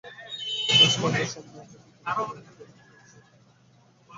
কঁচ ভাঙার সন্ধ্যা হইতে কিন্তু উভয়ের মধ্যে নূতন পরিচযেব সংকোচটা কাটিয়া গেল।